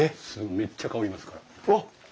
めっちゃ香りますから。